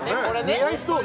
似合いそう